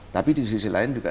tapi di sisi lain juga